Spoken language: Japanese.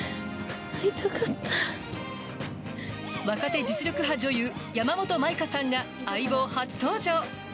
若手実力派女優山本舞香さんが「相棒」初登場。